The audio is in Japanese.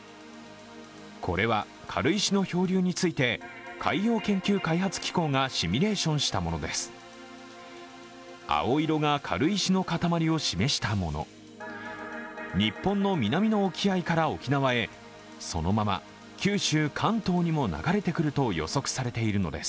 これは軽石の漂流について海洋研究開発機構がシミュレーションしたものです。